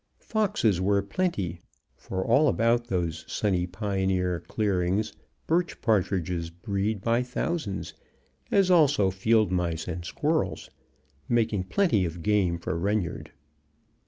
Foxes were plenty, for about all those sunny pioneer clearings birch partridges breed by thousands, as also field mice and squirrels, making plenty of game for Reynard.